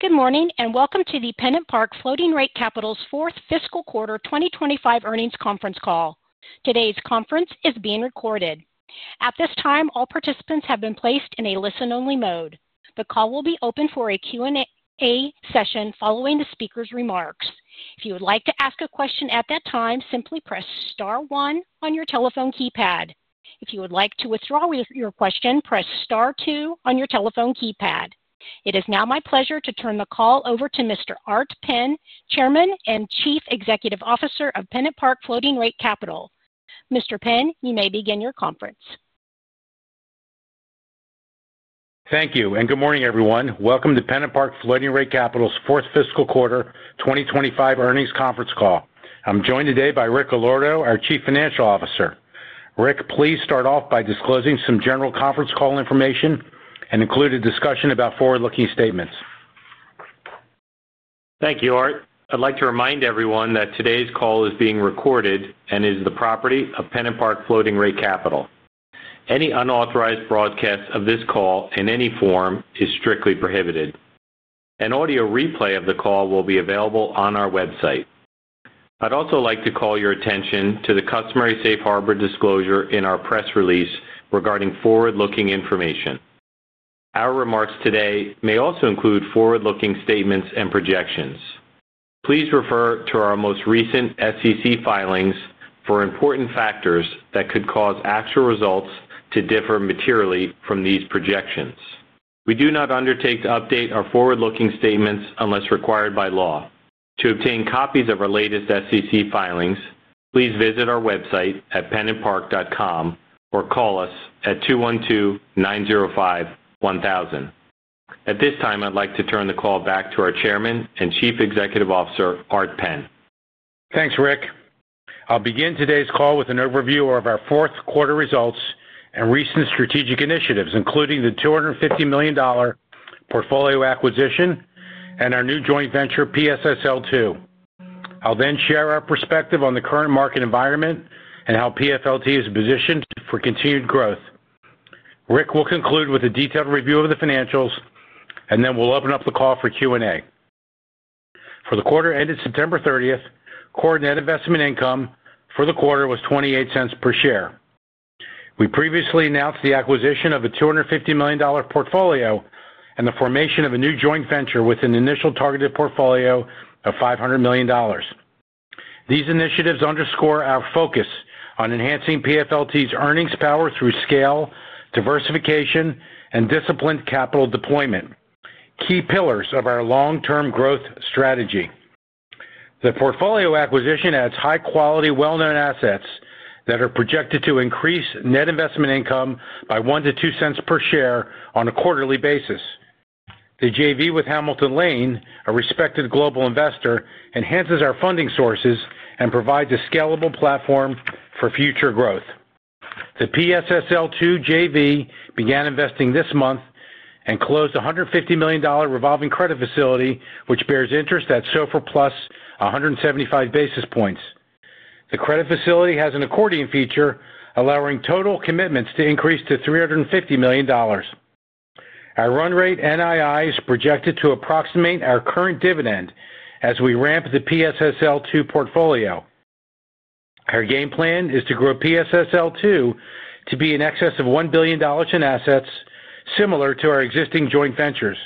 Good morning and welcome to the PennantPark Floating Rate Capital's fourth fiscal quarter 2025 earnings conference call. Today's conference is being recorded. At this time, all participants have been placed in a listen-only mode. The call will be open for a Q&A session following the speaker's remarks. If you would like to ask a question at that time, simply press Star 1 on your telephone keypad. If you would like to withdraw your question, press Star 2 on your telephone keypad. It is now my pleasure to turn the call over to Mr. Art Penn, Chairman and Chief Executive Officer of PennantPark Floating Rate Capital. Mr. Penn, you may begin your conference. Thank you and good morning, everyone. Welcome to PennantPark Floating Rate Capital's fourth fiscal quarter 2025 earnings conference call. I'm joined today by Richard Allorto, our Chief Financial Officer. Rick, please start off by disclosing some general conference call information and include a discussion about forward-looking statements. Thank you, Art. I'd like to remind everyone that today's call is being recorded and is the property of PennantPark Floating Rate Capital. Any unauthorized broadcast of this call in any form is strictly prohibited. An audio replay of the call will be available on our website. I'd also like to call your attention to the Customer Safe Harbor disclosure in our press release regarding forward-looking information. Our remarks today may also include forward-looking statements and projections. Please refer to our most recent SEC filings for important factors that could cause actual results to differ materially from these projections. We do not undertake to update our forward-looking statements unless required by law. To obtain copies of our latest SEC filings, please visit our website at pennantpark.com or call us at 212-905-1000. At this time, I'd like to turn the call back to our Chairman and Chief Executive Officer, Art Penn. Thanks, Rick. I'll begin today's call with an overview of our fourth quarter results and recent strategic initiatives, including the $250 million portfolio acquisition and our new joint venture, PSSL2. I'll then share our perspective on the current market environment and how PFLT is positioned for continued growth. Rick will conclude with a detailed review of the financials, and then we'll open up the call for Q&A. For the quarter ended September 30th, core net investment income for the quarter was $0.28 per share. We previously announced the acquisition of a $250 million portfolio and the formation of a new joint venture with an initial targeted portfolio of $500 million. These initiatives underscore our focus on enhancing PFLT's earnings power through scale, diversification, and disciplined capital deployment, key pillars of our long-term growth strategy. The portfolio acquisition adds high-quality, well-known assets that are projected to increase net investment income by $0.01-$0.02 per share on a quarterly basis. The JV with Hamilton Lane, a respected global investor, enhances our funding sources and provides a scalable platform for future growth. The PSSL2 JV began investing this month and closed a $150 million revolving credit facility, which bears interest at SOFR plus 175 basis points. The credit facility has an accordion feature, allowing total commitments to increase to $350 million. Our run rate NII is projected to approximate our current dividend as we ramp the PSSL2 portfolio. Our game plan is to grow PSSL2 to be in excess of $1 billion in assets, similar to our existing joint ventures.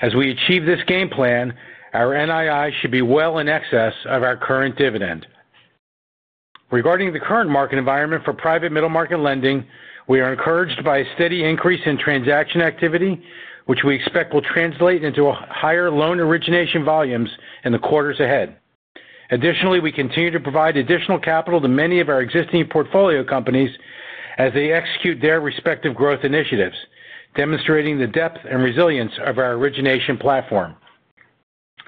As we achieve this game plan, our NII should be well in excess of our current dividend. Regarding the current market environment for private middle market lending, we are encouraged by a steady increase in transaction activity, which we expect will translate into higher loan origination volumes in the quarters ahead. Additionally, we continue to provide additional capital to many of our existing portfolio companies as they execute their respective growth initiatives, demonstrating the depth and resilience of our origination platform.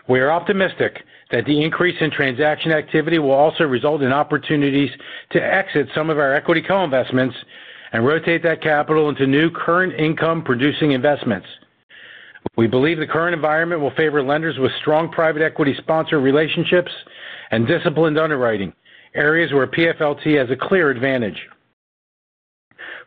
We are optimistic that the increase in transaction activity will also result in opportunities to exit some of our equity co-investments and rotate that capital into new current income-producing investments. We believe the current environment will favor lenders with strong private equity sponsor relationships and disciplined underwriting, areas where PFLT has a clear advantage.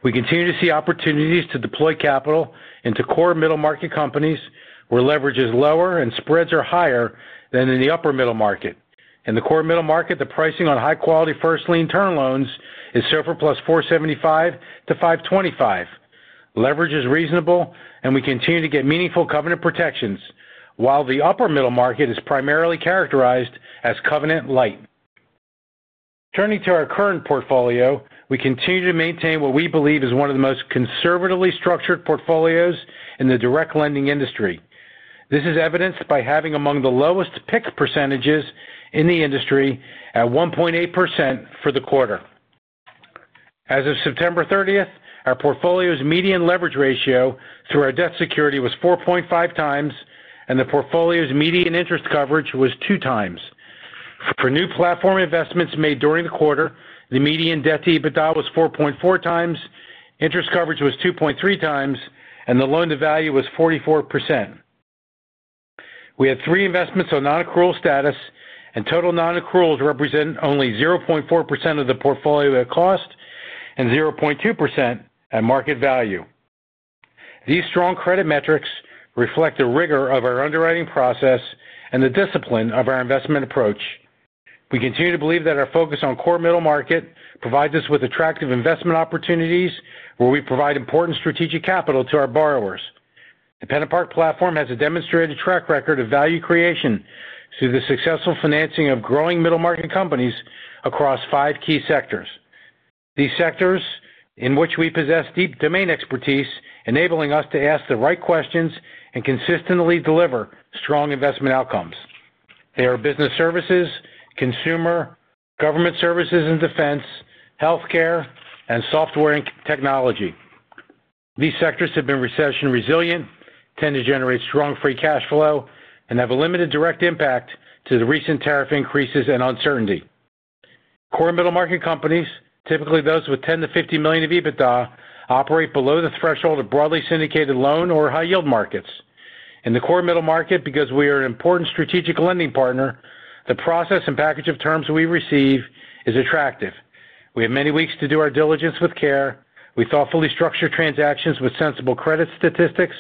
We continue to see opportunities to deploy capital into core middle market companies where leverage is lower and spreads are higher than in the upper middle market. In the core middle market, the pricing on high-quality first lien term loans is SOFR plus 475-525. Leverage is reasonable, and we continue to get meaningful covenant protections, while the upper middle market is primarily characterized as covenant light. Turning to our current portfolio, we continue to maintain what we believe is one of the most conservatively structured portfolios in the direct lending industry. This is evidenced by having among the lowest PIC percentages in the industry at 1.8% for the quarter. As of September 30th, our portfolio's median leverage ratio through our debt security was 4.5 times, and the portfolio's median interest coverage was 2 times. For new platform investments made during the quarter, the median debt to EBITDA was 4.4 times, interest coverage was 2.3 times, and the loan-to-value was 44%. We had three investments on non-accrual status, and total non-accruals represent only 0.4% of the portfolio at cost and 0.2% at market value. These strong credit metrics reflect the rigor of our underwriting process and the discipline of our investment approach. We continue to believe that our focus on core middle market provides us with attractive investment opportunities where we provide important strategic capital to our borrowers. The PennantPark platform has a demonstrated track record of value creation through the successful financing of growing middle market companies across five key sectors. These sectors in which we possess deep domain expertise, enabling us to ask the right questions and consistently deliver strong investment outcomes. They are business services, consumer, government services and defense, healthcare, and software and technology. These sectors have been recession resilient, tend to generate strong free cash flow, and have a limited direct impact to the recent tariff increases and uncertainty. Core middle market companies, typically those with $10 to $50 million of EBITDA, operate below the threshold of broadly syndicated loan or high-yield markets. In the core middle market, because we are an important strategic lending partner, the process and package of terms we receive is attractive. We have many weeks to do our diligence with care. We thoughtfully structure transactions with sensible credit statistics,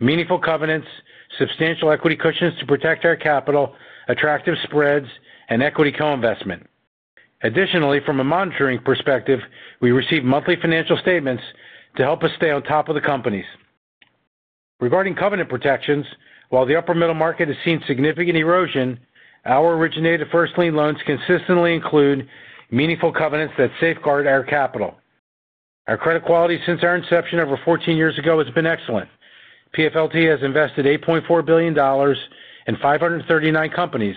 meaningful covenants, substantial equity cushions to protect our capital, attractive spreads, and equity Co-investment. Additionally, from a monitoring perspective, we receive monthly financial statements to help us stay on top of the companies. Regarding covenant protections, while the upper middle market has seen significant erosion, our originated first lien loans consistently include meaningful covenants that safeguard our capital. Our credit quality since our inception over 14 years ago has been excellent. PFLT has invested $8.4 billion in 539 companies,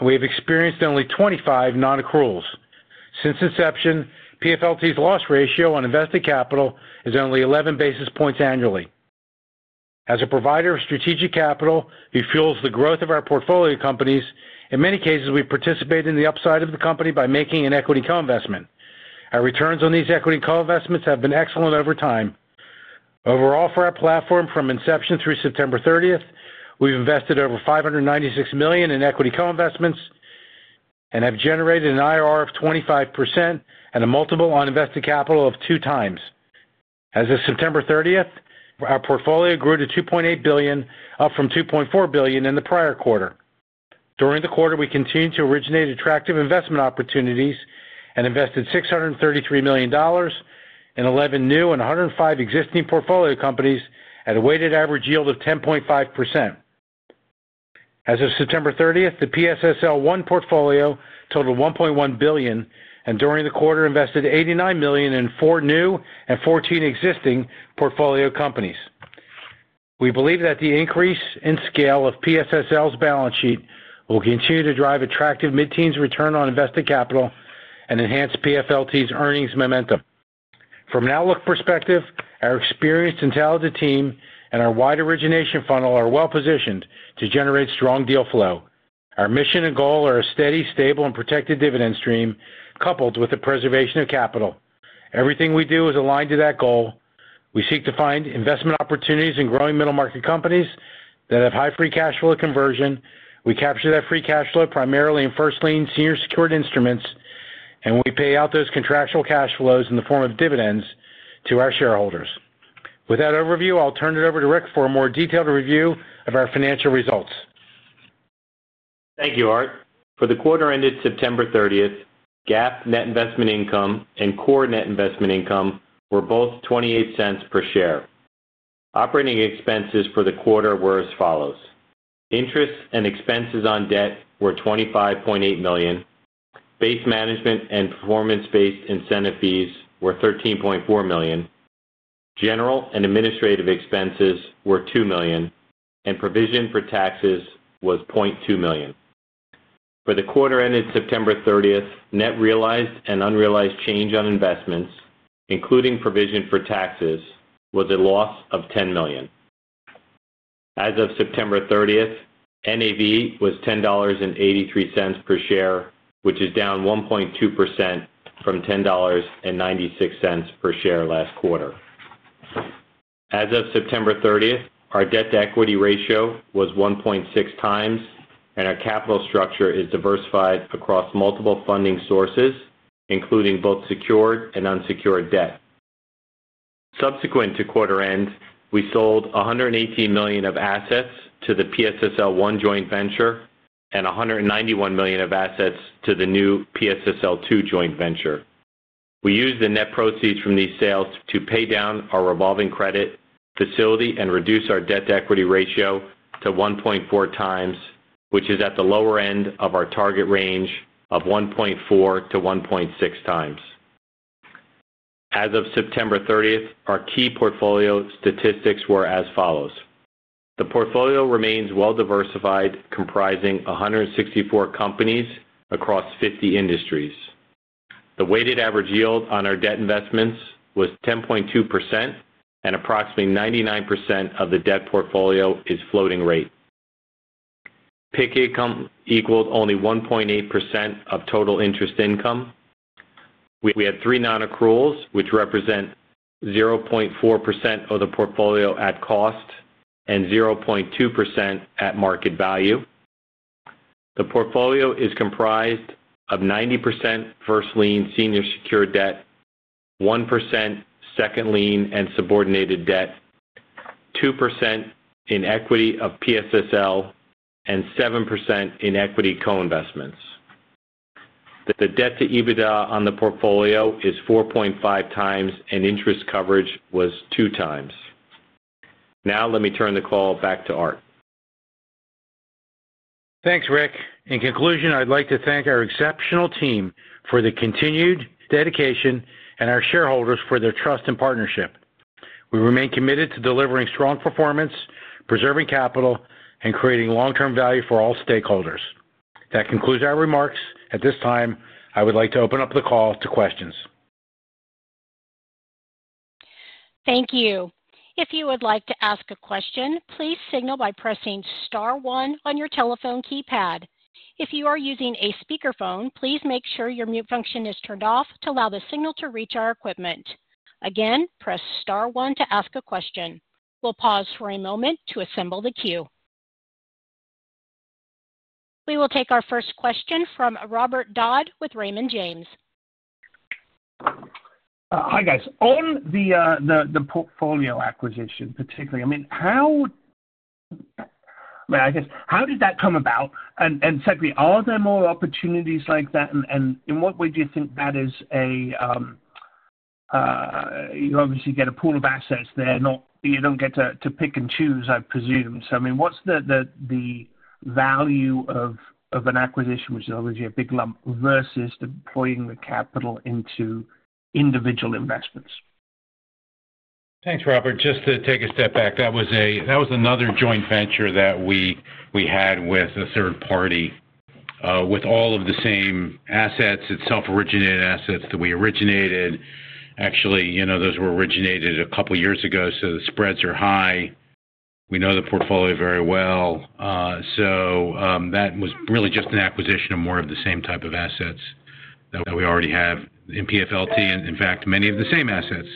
and we have experienced only 25 non-accruals. Since inception, PFLT's loss ratio on invested capital is only 11 basis points annually. As a provider of strategic capital who fuels the growth of our portfolio companies, in many cases, we participate in the upside of the company by making an equity co-investment. Our returns on these equity Co-investments have been excellent over time. Overall, for our platform from inception through September 30th, we have invested over $596 million in equity Co-investments and have generated an IRR of 25% and a multiple on invested capital of two times. As of September 30th, our portfolio grew to $2.8 billion, up from $2.4 billion in the prior quarter. During the quarter, we continued to originate attractive investment opportunities and invested $633 million in 11 new and 105 existing portfolio companies at a weighted average yield of 10.5%. As of September 30th, the PSSL1 portfolio totaled $1.1 billion, and during the quarter, invested $89 million in four new and 14 existing portfolio companies. We believe that the increase in scale of PSSL's balance sheet will continue to drive attractive mid-teens return on invested capital and enhance PFLT's earnings momentum. From an outlook perspective, our experienced and talented team and our wide origination funnel are well-positioned to generate strong deal flow. Our mission and goal are a steady, stable, and protected dividend stream coupled with the preservation of capital. Everything we do is aligned to that goal. We seek to find investment opportunities in growing middle market companies that have high free cash flow conversion. We capture that free cash flow primarily in first lien senior secured instruments, and we pay out those contractual cash flows in the form of dividends to our shareholders. With that overview, I'll turn it over to Rick for a more detailed review of our financial results. Thank you, Art. For the quarter ended September 30th, GAAP net investment income and core net investment income were both $0.28 per share. Operating expenses for the quarter were as follows. Interest and expenses on debt were $25.8 million. Base management and performance-based incentive fees were $13.4 million. General and administrative expenses were $2 million, and provision for taxes was $0.2 million. For the quarter ended September 30th, net realized and unrealized change on investments, including provision for taxes, was a loss of $10 million. As of September 30th, NAV was $10.83 per share, which is down 1.2% from $10.96 per share last quarter. As of September 30th, our debt to equity ratio was 1.6 times, and our capital structure is diversified across multiple funding sources, including both secured and unsecured debt. Subsequent to quarter end, we sold $118 million of assets to the PSSL1 joint venture and $191 million of assets to the new PSSL2 joint venture. We used the net proceeds from these sales to pay down our revolving credit facility and reduce our debt to equity ratio to 1.4 times, which is at the lower end of our target range of 1.4-1.6 times. As of September 30th, our key portfolio statistics were as follows. The portfolio remains well-diversified, comprising 164 companies across 50 industries. The weighted average yield on our debt investments was 10.2%, and approximately 99% of the debt portfolio is floating rate. PIC income equaled only 1.8% of total interest income. We had three non-accruals, which represent 0.4% of the portfolio at cost and 0.2% at market value. The portfolio is comprised of 90% first lien senior secured debt, 1% second lien and subordinated debt, 2% in equity of PSSL, and 7% in equity Co-investments. The debt to EBITDA on the portfolio is 4.5 times, and interest coverage was two times. Now, let me turn the call back to Art. Thanks, Rick. In conclusion, I'd like to thank our exceptional team for the continued dedication and our shareholders for their trust and partnership. We remain committed to delivering strong performance, preserving capital, and creating long-term value for all stakeholders. That concludes our remarks. At this time, I would like to open up the call to questions. Thank you. If you would like to ask a question, please signal by pressing Star 1 on your telephone keypad. If you are using a speakerphone, please make sure your mute function is turned off to allow the signal to reach our equipment. Again, press Star 1 to ask a question. We'll pause for a moment to assemble the queue. We will take our first question from Robert Dodd with Raymond James. Hi, guys. On the portfolio acquisition, particularly, I mean, how, I guess, how did that come about? Secondly, are there more opportunities like that? In what way do you think that is a, you obviously get a pool of assets there, not you do not get to pick and choose, I presume. I mean, what is the value of an acquisition, which is obviously a big lump, versus deploying the capital into individual investments? Thanks, Robert. Just to take a step back, that was another joint venture that we had with a third party with all of the same assets, itself originated assets that we originated. Actually, those were originated a couple of years ago, so the spreads are high. We know the portfolio very well. That was really just an acquisition of more of the same type of assets that we already have in PFLT, and in fact, many of the same assets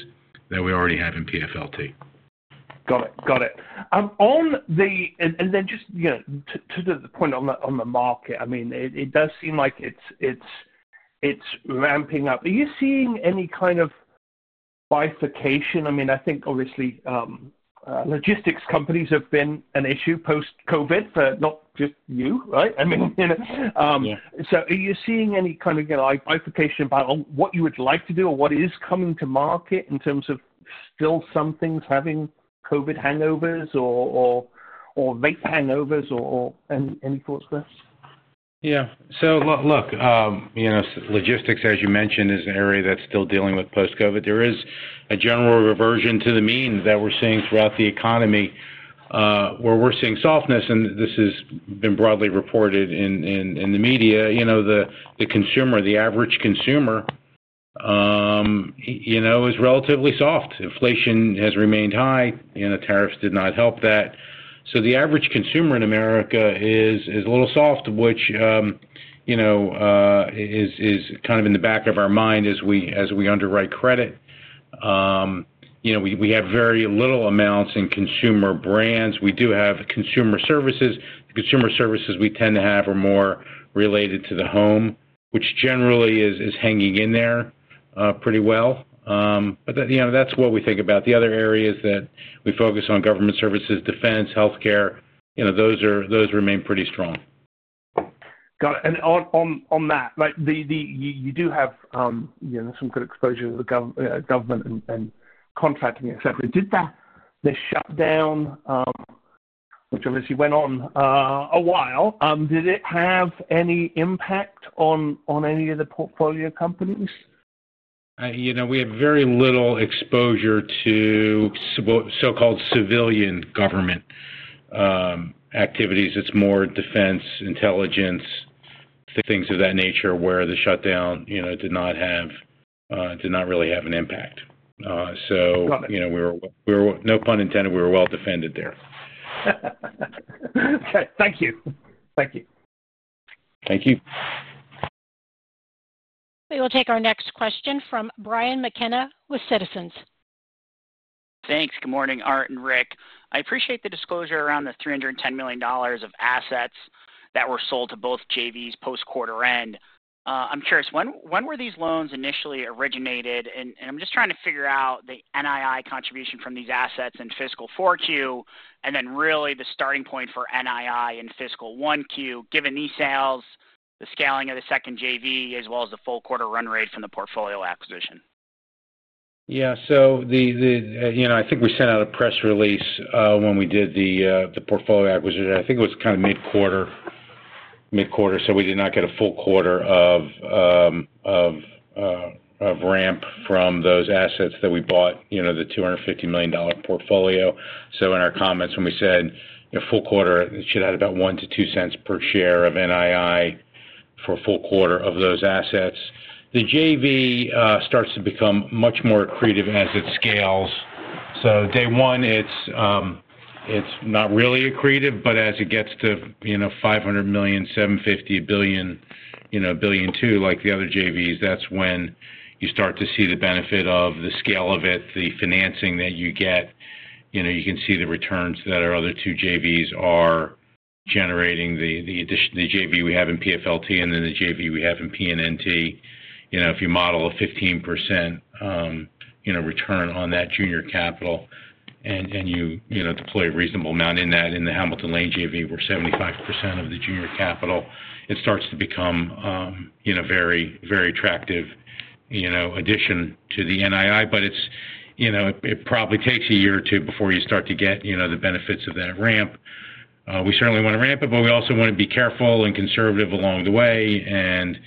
that we already have in PFLT. Got it. Got it. Just to the point on the market, I mean, it does seem like it's ramping up. Are you seeing any kind of bifurcation? I mean, I think obviously logistics companies have been an issue post-COVID for not just you, right? I mean, are you seeing any kind of bifurcation about what you would like to do or what is coming to market in terms of still some things having COVID hangovers or late hangovers or any thoughts there? Yeah. Look, logistics, as you mentioned, is an area that's still dealing with Post-COVID. There is a general reversion to the mean that we're seeing throughout the economy where we're seeing softness, and this has been broadly reported in the media. The consumer, the average consumer, is relatively soft. Inflation has remained high. Tariffs did not help that. The average consumer in America is a little soft, which is kind of in the back of our mind as we underwrite credit. We have very little amounts in consumer brands. We do have consumer services. The consumer services we tend to have are more related to the home, which generally is hanging in there pretty well. That's what we think about. The other areas that we focus on, government services, defense, healthcare, those remain pretty strong. Got it. You do have some good exposure to the government and contracting, etc. Did the shutdown, which obviously went on a while, have any impact on any of the portfolio companies? We have very little exposure to so-called civilian government activities. It's more defense, intelligence, things of that nature where the shutdown did not really have an impact. No pun intended, we were well defended there. Okay. Thank you. Thank you. Thank you. We will take our next question from Brian McKenna with Citizens. Thanks. Good morning, Art and Rick. I appreciate the disclosure around the $310 million of assets that were sold to both JVs post-quarter end. I'm curious, when were these loans initially originated? I'm just trying to figure out the NII contribution from these assets in fiscal 4Q and then really the starting point for NII in fiscal 1Q, given these sales, the scaling of the second JV, as well as the full quarter run rate from the portfolio acquisition. Yeah. I think we sent out a press release when we did the portfolio acquisition. I think it was kind of mid-quarter, so we did not get a full quarter of ramp from those assets that we bought, the $250 million portfolio. In our comments when we said full quarter, it should add about 1-2 cents per share of NII for a full quarter of those assets. The JV starts to become much more accretive as it scales. Day one, it is not really accretive, but as it gets to $500 million, $750 million, $1.2 billion, like the other JVs, that is when you start to see the benefit of the scale of it, the financing that you get. You can see the returns that our other two JVs are generating, the JV we have in PFLT and then the JV we have in PNNT. If you model a 15% return on that junior capital and you deploy a reasonable amount in that, in the Hamilton Lane JV, where 75% of the junior capital, it starts to become a very attractive addition to the NII. It probably takes a year or two before you start to get the benefits of that ramp. We certainly want to ramp it, but we also want to be careful and conservative along the way and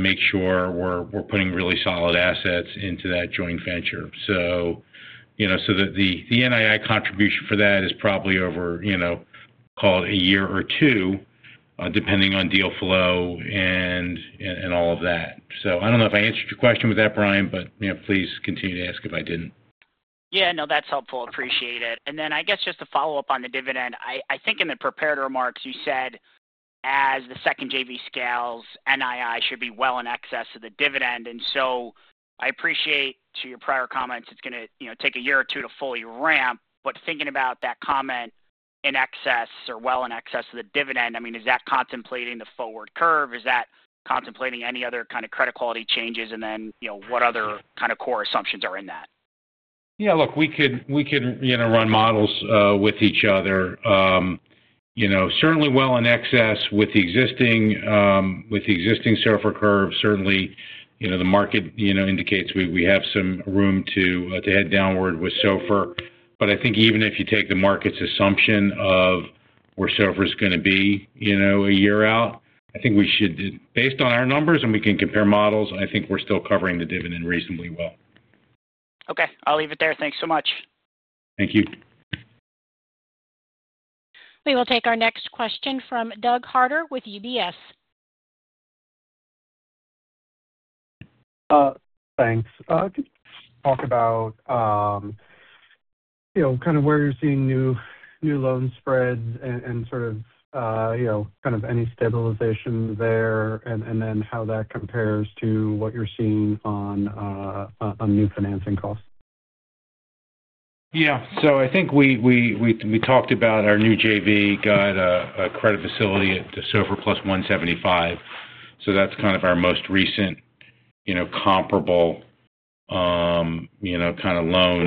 make sure we're putting really solid assets into that joint venture. The NII contribution for that is probably over, call year or two, depending on deal flow and all of that. I do not know if I answered your question with that, Brian, but please continue to ask if I did not. Yeah. No, that's helpful. Appreciate it. I guess just to follow up on the dividend, I think in the prepared remarks, you said as the second JV scales, NII should be well in excess of the dividend. I appreciate your prior comments, it's going to take a year or two to fully ramp, but thinking about that comment in excess or well in excess of the dividend, I mean, is that contemplating the forward curve? Is that contemplating any other kind of credit quality changes? What other kind of core assumptions are in that? Yeah. Look, we can run models with each other. Certainly well in excess with the existing SOFR curve. Certainly, the market indicates we have some room to head downward with SOFR. I think even if you take the market's assumption of where SOFR is going to be a year out, I think we should, based on our numbers and we can compare models, I think we're still covering the dividend reasonably well. Okay. I'll leave it there. Thanks so much. Thank you. We will take our next question from Doug Harter with UBS. Thanks. Just talk about kind of where you're seeing new loan spreads and sort of kind of any stabilization there, and then how that compares to what you're seeing on new financing costs. Yeah. I think we talked about our new JV got a credit facility at the SOFR plus 175. That's kind of our most recent comparable kind of loan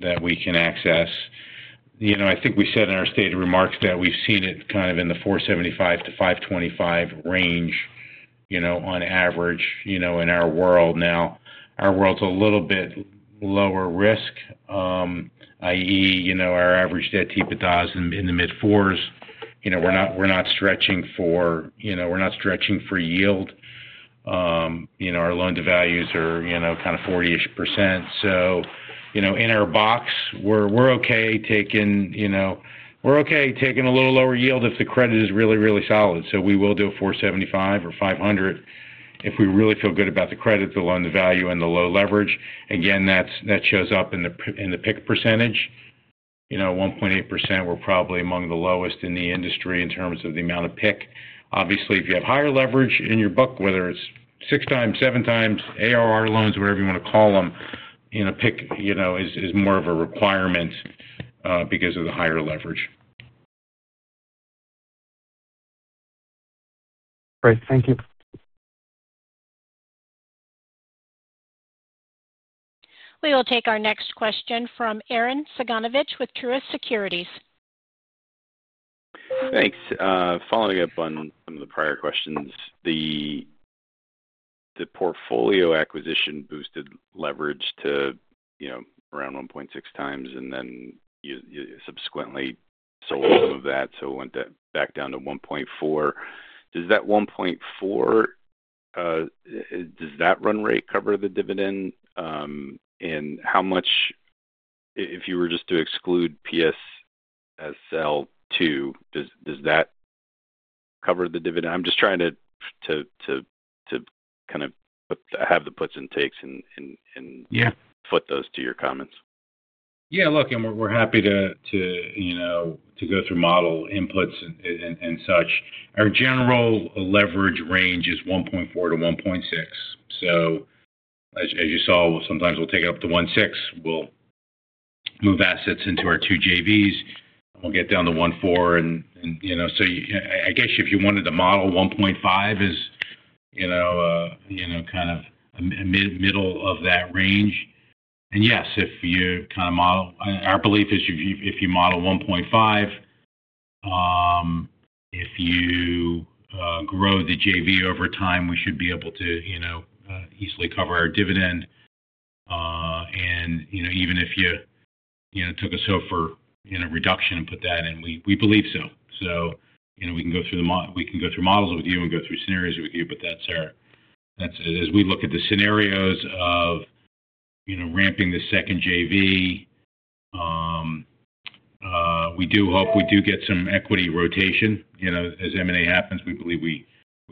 that we can access. I think we said in our stated remarks that we've seen it in the 475-525 range on average in our world. Now, our world's a little bit lower risk, i.e., our average debt to EBITDA is in the mid-4s. We're not stretching for yield. Our loan-to-values are kind of 40% ish. In our box, we're okay taking a little lower yield if the credit is really, really solid. We will do a 475 or 500 if we really feel good about the credit, the loan-to-value, and the low leverage. Again, that shows up in the PIC percentage. 1.8%, we're probably among the lowest in the industry in terms of the amount of PIC. Obviously, if you have higher leverage in your book, whether it's six times, seven times, a.k.a. loans, whatever you want to call them, PIC is more of a requirement because of the higher leverage. Great. Thank you. We will take our next question from Aaron Seganovich with Truist Securities. Thanks. Following up on some of the prior questions, the portfolio acquisition boosted leverage to around 1.6 times and then subsequently sold some of that, so went back down to 1.4. Does that 1.4, does that run rate cover the dividend? And how much, if you were just to exclude PSSL2, does that cover the dividend? I'm just trying to kind of have the puts and takes and foot those to your comments. Yeah. Look, and we're happy to go through model inputs and such. Our general leverage range is 1.4-1.6. As you saw, sometimes we'll take it up to 1.6, we'll move assets into our two JVs, we'll get down to 1.4. I guess if you wanted to model 1.5 as kind of middle of that range. Yes, if you kind of model, our belief is if you model 1.5, if you grow the JV over time, we should be able to easily cover our dividend. Even if you took a SOFR reduction and put that in, we believe so. We can go through the models with you and go through scenarios with you, but as we look at the scenarios of ramping the second JV, we do hope we do get some equity rotation. As M&A happens, we believe we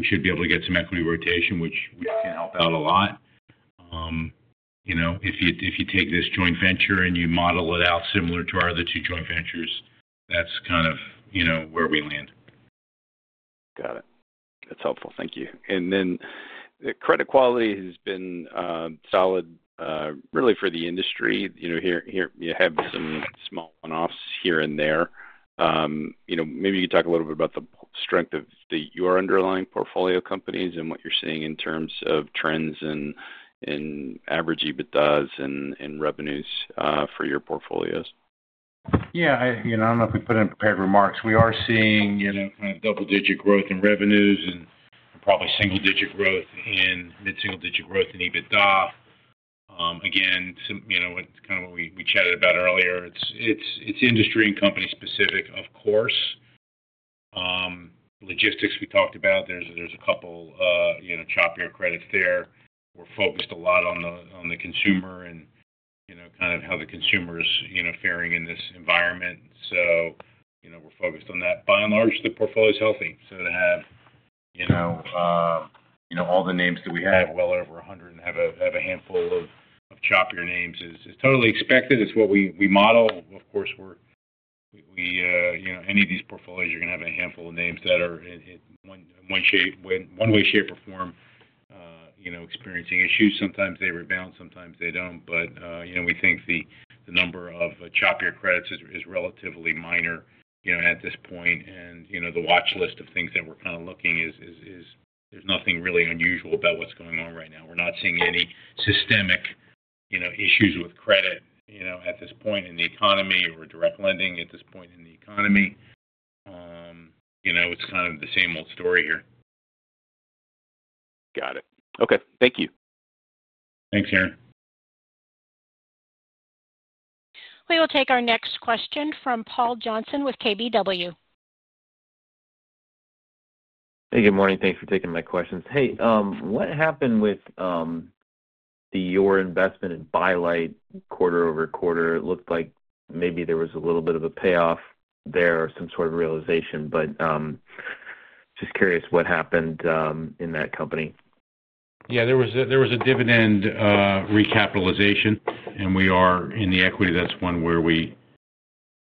should be able to get some equity rotation, which can help out a lot. If you take this joint venture and you model it out similar to our other two joint ventures, that's kind of where we land. Got it. That's helpful. Thank you. Credit quality has been solid really for the industry. You have some small one-offs here and there. Maybe you could talk a little bit about the strength of your underlying portfolio companies and what you're seeing in terms of trends and average EBITDAs and revenues for your portfolios. Yeah. I do not know if we put it in prepared remarks. We are seeing kind of double-digit growth in revenues and probably single-digit growth in digit growth in EBITDA. Again, kind of what we chatted about earlier, it is industry and company specific, of course. Logistics we talked about, there is a couple choppier credits there. We are focused a lot on the consumer and kind of how the consumer is faring in this environment. We are focused on that. By and large, the portfolio is healthy. To have all the names that we have, well over 100, and have a handful of choppier names is totally expected. It is what we model. Of course, any of these portfolios are going to have a handful of names that are in one way, shape, or form experiencing issues. Sometimes they rebound, sometimes they do not. We think the number of choppier credits is relatively minor at this point. The watch list of things that we're kind of looking at is, there's nothing really unusual about what's going on right now. We're not seeing any systemic issues with credit at this point in the economy or direct lending at this point in the economy. It's kind of the same old story here. Got it. Okay. Thank you. Thanks, Aaron. We will take our next question from Paul Johnson with KBW. Hey, good morning. Thanks for taking my questions. Hey, what happened with your investment in By Light quarter over quarter? It looked like maybe there was a little bit of a payoff there or some sort of realization, but just curious what happened in that company. Yeah. There was a dividend recapitalization, and we are in the equity. That's one where we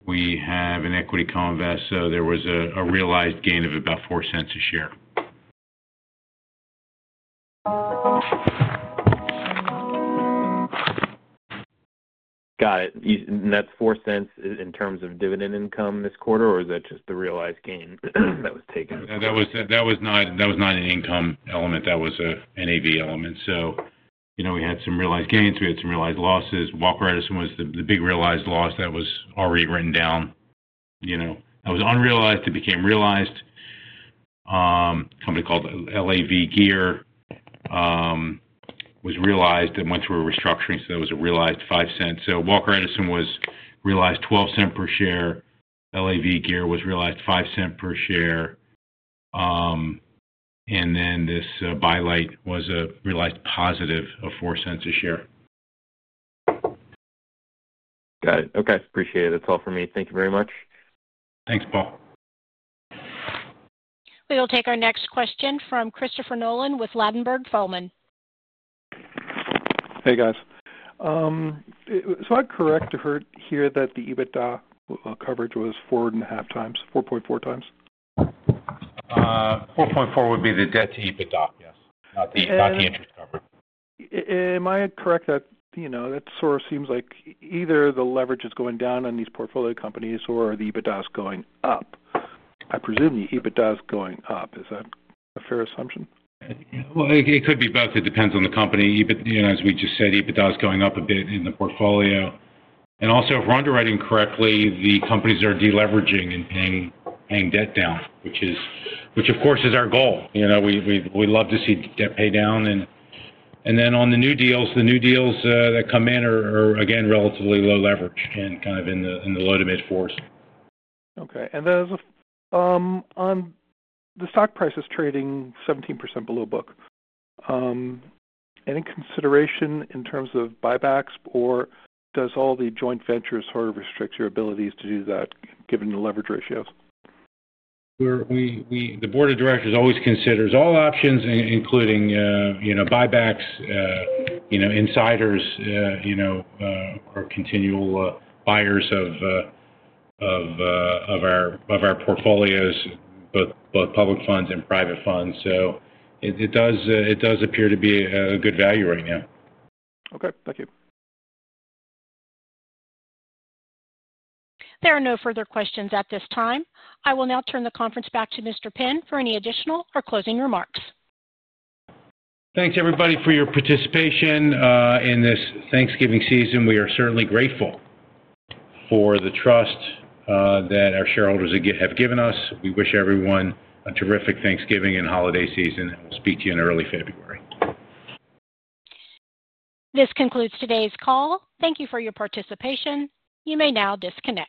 have an equity co-investo.r So there was a realized gain of about $0.04 a share. Got it. That is $0.04 in terms of dividend income this quarter, or is that just the realized gain that was taken? That was not an income element. That was an NAV element. We had some realized gains. We had some realized losses. Walker Edison was the big realized loss that was already written down. That was unrealized. It became realized. A company called LAV Gear was realized and went through a restructuring. That was a realized $0.05. Walker Edison was realized $0.12 per share. LAV Gear was realized $0.05 per share. This By Light was a realized positive of $0.04 a share. Got it. Okay. Appreciate it. That's all for me. Thank you very much. Thanks, Paul. We will take our next question from Christopher Nolan with Ladenburg Thalmann. Hey, guys. I correct to hear that the EBITDA coverage was four and a half times, 4.4 times? 4.4 would be the debt to EBITDA, yes. Not the interest coverage. Am I correct that that sort of seems like either the leverage is going down on these portfolio companies or the EBITDA is going up? I presume the EBITDA is going up. Is that a fair assumption? It could be both. It depends on the company. As we just said, EBITDA is going up a bit in the portfolio. Also, if we're underwriting correctly, the companies are deleveraging and paying debt down, which, of course, is our goal. We'd love to see debt pay down. On the new deals, the new deals that come in are, again, relatively low leverage and kind of in the low to mid-4s. Okay. And then on the stock price is trading 17% below book. Any consideration in terms of buybacks, or does all the joint ventures sort of restrict your abilities to do that given the leverage ratios? The board of directors always considers all options, including buybacks, insiders, or continual buyers of our portfolios, both public funds and private funds. It does appear to be a good value right now. Okay. Thank you. There are no further questions at this time. I will now turn the conference back to Mr. Penn for any additional or closing remarks. Thanks, everybody, for your participation in this Thanksgiving season. We are certainly grateful for the trust that our shareholders have given us. We wish everyone a terrific Thanksgiving and holiday season, and we'll speak to you in early February. This concludes today's call. Thank you for your participation. You may now disconnect.